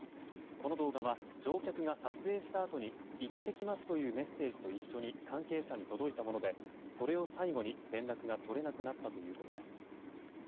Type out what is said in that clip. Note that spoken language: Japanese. この動画は、乗客が撮影した時に行ってきますというメッセージと一緒に関係者に届いたものでそれを最後に連絡が取れなくなったということです。